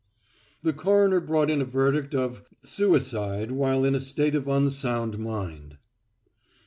The coroner brought in a verdict of "suicide while in a state of unsound mind."